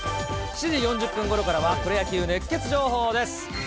７時４０分ごろからは、プロ野球熱ケツ情報です。